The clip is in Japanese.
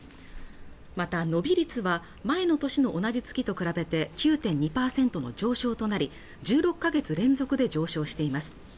また伸び率は前の年の同じ月と比べて９．２％の上昇となり１６か月連続で上昇しています